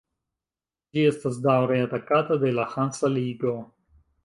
Ĝi estas daŭre atakata de la Hansa Ligo.